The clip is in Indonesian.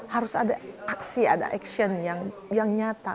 harus ada aksi ada action yang nyata